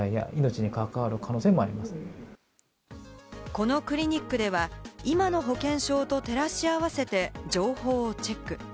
このクリニックでは、今の保険証と照らし合わせて情報をチェック。